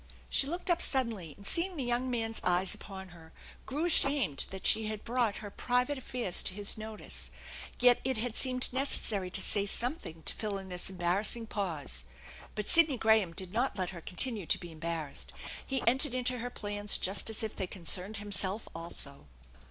She looked up suddenly, and seeing the young man's eyes upon her, grew ashamed that she had brought her private affairs to his notice ; yet it had seemed necessary to say some thing to fill in this embarrassing pause. But Sidney Graham did not let her continue to be embarrassed. He entered into her plans just as if they concerned himself also.